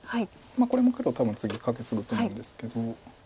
これも黒多分次カケツグ手なんですけど。